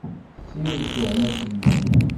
Ssired tuɣmas-nnek.